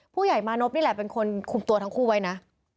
ผู้ใหญ่มานพนี่แหละเป็นคนคุมตัวทั้งคู่ไว้นะ